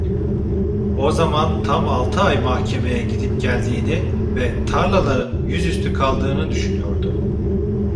O zaman tam altı ay mahkemeye gidip geldiğini ve tarlaların yüzüstü kaldığını düşünüyordu.